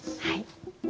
はい。